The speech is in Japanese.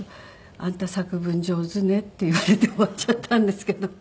「あんた作文上手ね」って言われて終わっちゃったんですけど。